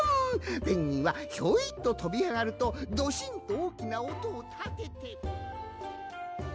ペンギンはひょいととびあがるとドシンとおおきなおとをたてて。